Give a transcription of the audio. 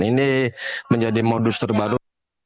ini menjadi modus terbaru